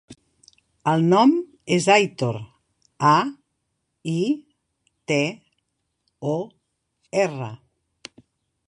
El nom és Aitor: a, i, te, o, erra.